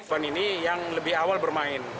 fan ini yang lebih awal bermain